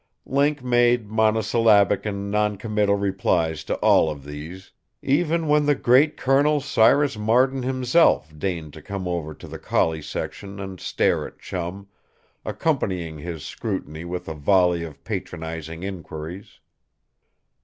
Link made monosyllabic and noncommittal replies to all of these even when the great Col. Cyrus Marden himself deigned to come over to the collie section and stare at Chum, accompanying his scrutiny with a volley or patronizing inquiries.